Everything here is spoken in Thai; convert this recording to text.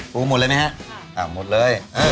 ปมน้ำหมดเลยเหรอ